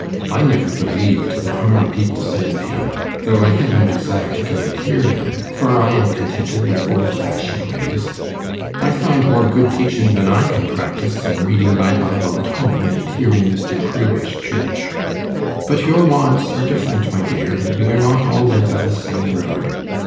I never believed the harm people said of him, though I had no desire to go and hear him, for I am contented with old fashioned ways. I find more good teaching than I can practise in reading my Bible at home, and hearing Mr. Crewe at church. But your wants are different, my dear, and we are not all led by the same road.